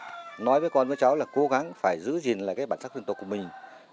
tôi nói với con với cháu là cố gắng phải giữ gìn lại cái bản sắc dân tộc của mình